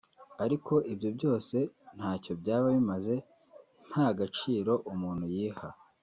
ariko ibyo byose ntacyo byaba bimaze ntagaciro umuntu yiha